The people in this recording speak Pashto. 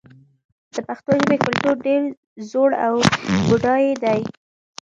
د پښتو ژبې کلتور ډېر زوړ او بډای دی.